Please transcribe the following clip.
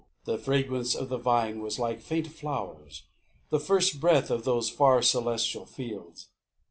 The fragrance of the wine was like faint flowers, The first breath of those far celestial fields....